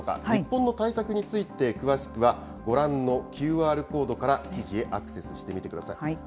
日本の対策について、詳しくはご覧のＱＲコードから、記事へアクセスしてみてください。